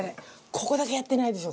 ここだけやってないでしょ？